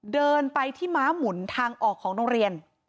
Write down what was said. เดินไปที่ม้าหมุนทางออกของโรงเรียน